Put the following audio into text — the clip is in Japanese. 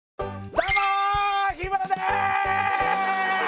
どうも日村です！